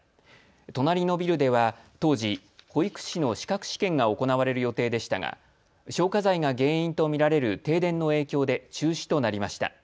隣のビルでは当時、保育士の資格試験が行われる予定でしたが消火剤が原因と見られる停電の影響で中止となりました。